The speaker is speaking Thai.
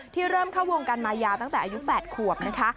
เริ่มเข้าวงการมายาตั้งแต่อายุ๘ขวบนะคะ